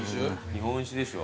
日本酒でしょ。